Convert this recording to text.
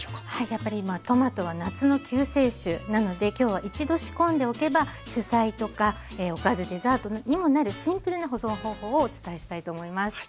やっぱり今トマトは夏の救世主なので今日は一度仕込んでおけば主菜とかおかずデザートにもなるシンプルな保存方法をお伝えしたいと思います。